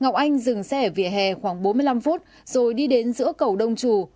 ngọc anh dừng xe ở vỉa hè khoảng bốn mươi năm phút rồi đi đến giữa cầu đông trù